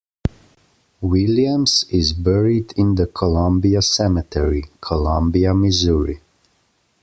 Williams is buried in the Columbia Cemetery, Columbia, Missouri.